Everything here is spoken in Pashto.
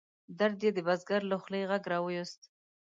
درد یې د بزګر له خولې غږ را ویوست.